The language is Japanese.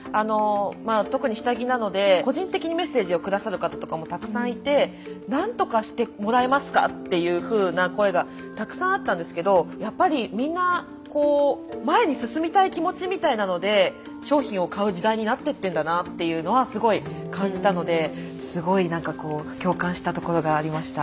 特に下着なので個人的にメッセージを下さる方とかもたくさんいて何とかしてもらえますかというふうな声がたくさんあったんですけどやっぱりみんなになってってんだなっていうのはすごい感じたのですごいなんかこう共感したところがありました。